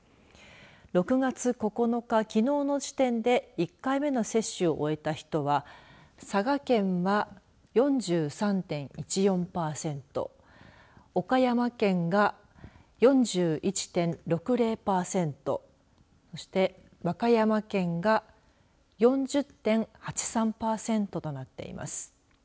６月９日、きのうの時点で１回目の接種を終えた人は佐賀県は４３．１４パーセント岡山県が４１．６０パーセントそして和歌山県が４０．８３パーセントとなっています。